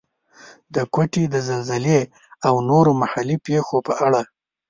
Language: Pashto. د کوټې د زلزلې او نورو محلي پېښو په اړه.